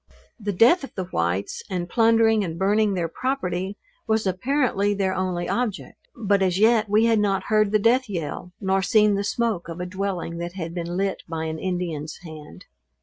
The death of the whites, and plundering and burning their property, was apparently their only object: But as yet we had not heard the death yell, nor seen the smoke of a dwelling that had been lit by an Indian's hand.